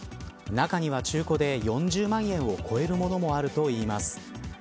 中には中古で４０万円を超えるものもあるといいます。